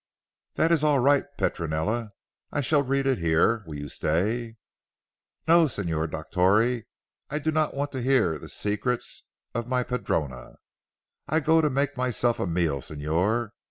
"That is all right Petronella. I shall read it here. Will you stay?" "No, Signor Dottore. I do not want to hear the secrets of my padrona. I go to make myself a meal Signor.